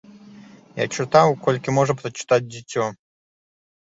Я чытаў, колькі можа прачытаць дзіцё.